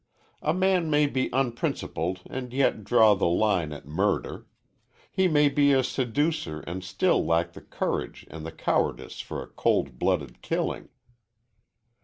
A man may be unprincipled and yet draw the line at murder. He may be a seducer and still lack the courage and the cowardice for a cold blooded killing.